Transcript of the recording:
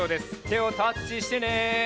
てをタッチしてね！